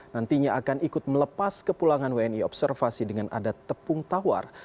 nantinya akan ikut melepas kepulangan wni observasi dengan adat tepung tawar